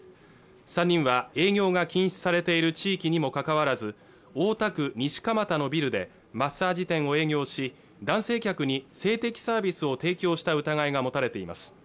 ３人は営業が禁止されている地域にもかかわらず大田区西蒲田のビルでマッサージ店を営業し男性客に性的サービスを提供した疑いが持たれています